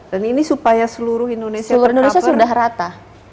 dan ini supaya seluruh indonesia sudah rata